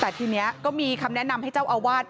แต่ทีนี้ก็มีคำแนะนำให้เจ้าอาวาส